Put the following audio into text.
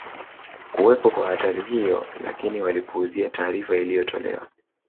kuwepo kwa hatari hiyo lakini walipuuzia taarifa iliyotolewa